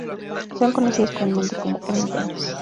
Son conocidos comúnmente como ermitaños.